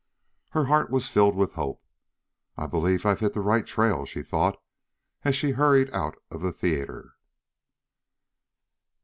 Her heart was filled with hope, "I believe I've hit the right trail," she thought, as she hurried out of the theater.